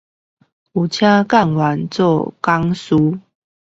有請幹員當講師